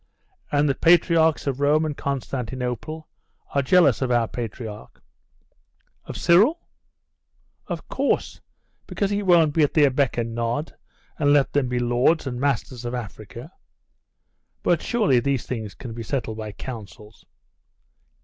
'And the patriarchs of Rome and Constantinople are jealous of our patriarch.' 'Of Cyril?' 'Of course, because he won't be at their beck and nod, and let them be lords and masters of Africa.' 'But surely these things can be settled by councils?